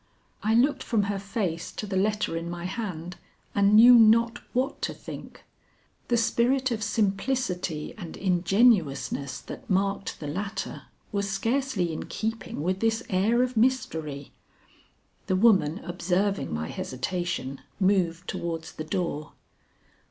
I looked from her face to the letter in my hand, and knew not what to think. The spirit of simplicity and ingenuousness that marked the latter was scarcely in keeping with this air of mystery. The woman observing my hesitation moved towards the door.